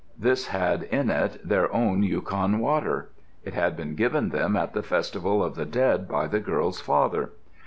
This had in it their own Yukon water. It had been given them at the festival of the dead by the girl's father.